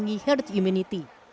mengingatkan herd immunity